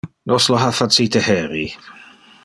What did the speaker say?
Nos lo ha facite heri.